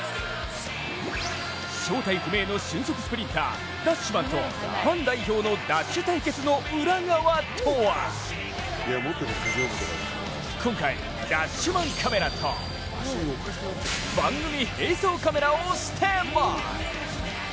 正体不明の俊足スプリンター、ダッシュマンとファン代表のダッシュ対決の裏側とは今回、ダッシュマンカメラと番組並走カメラをスタンバイ。